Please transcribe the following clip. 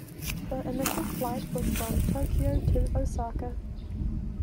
The initial flight was from Tokyo to Osaka.